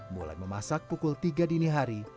mulai memasak pukul tiga dini hari